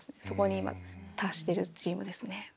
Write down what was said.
そこに今達しているチームですね。